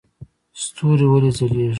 ستوري ولې ځلیږي؟